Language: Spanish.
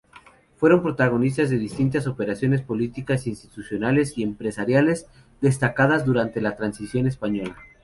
Fueron protagonistas de distintas operaciones políticas, institucionales y empresariales destacadas durante la Transición Española.